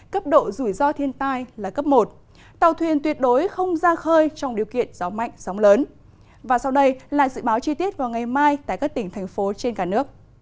cấp độ rủi ro thiên tai là cấp một tàu thuyền tuyệt đối không ra khơi trong điều kiện gió mạnh gió lớn